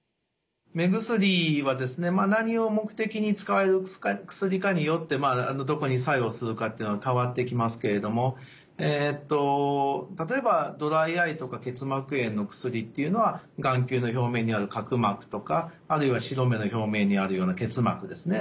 目薬はですね何を目的に使われる薬かによってどこに作用するかっていうのは変わってきますけれども例えばドライアイとか結膜炎の薬っていうのは眼球の表面にある角膜とかあるいは白目の表面にあるような結膜ですね